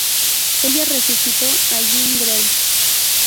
Ella resucitó a Jean Grey.